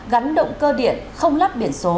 gắn động cơ điện không lắp biển số